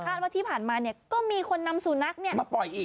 แต่คาดว่าที่ผ่านมาเนี่ยก็มีคนนำสูนักเนี่ยมาปล่อยอีก